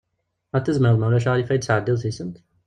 Ad tizmireḍ ma ulac aɣilif ad iyi-d-tesɛeddiḍ tisent?